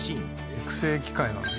熟成機械なんです